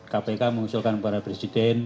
kpk mengusulkan para presiden